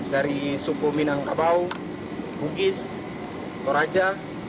dari suku minangkabau bugis toraja